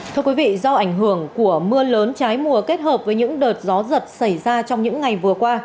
thưa quý vị do ảnh hưởng của mưa lớn trái mùa kết hợp với những đợt gió giật xảy ra trong những ngày vừa qua